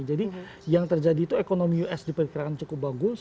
jadi yang terjadi itu ekonomi us diperkirakan cukup bagus